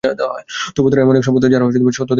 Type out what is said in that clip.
তবুও তারা এমন এক সম্প্রদায় যারা সত্য-বিচ্যুত হয়।